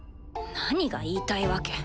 何が言いたいわけ？